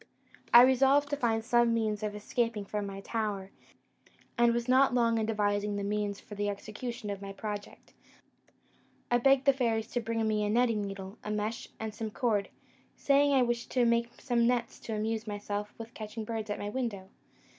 "I resolved to find some means of escaping from my tower, and was not long in devising the means for the execution of my project: I begged the fairies to bring me a netting needle, a mesh, and some cord, saying I wished to make some nets to amuse myself with catching birds at my window.